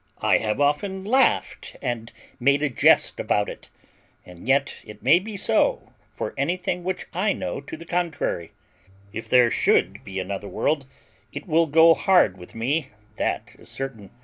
I have often laughed and made a jest about it, and yet it may be so, for anything which I know to the contrary. If there should be another world it will go hard with me, that is certain.